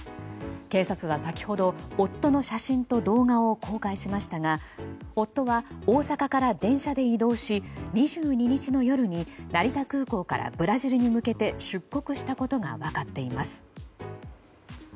警察は先ほど夫の写真と動画を公開しましたが夫は大阪から電車で移動し２２日の夜に成田空港からブラジルに向けて出国したことが分かっています。